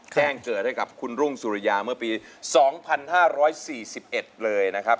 แจ้งเกิดให้กับคุณรุ่งสุริยาเมื่อปี๒๕๔๑เลยนะครับ